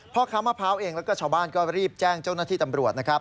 เพราะคำว่าพร้าวเองและชาวบ้านรีบแจ้งเจ้าหน้าที่ตำรวจ